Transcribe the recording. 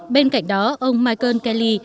bên cạnh đó ông michael kelly